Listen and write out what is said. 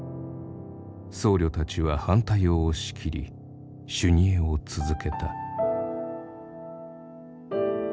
僧侶たちは反対を押し切り修二会を続けた。